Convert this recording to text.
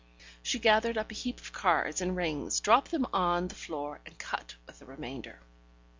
She gathered up a heap of cards and rings, dropped them on the floor, and cut with the remainder.